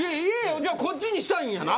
じゃあこっちにしたいんやな？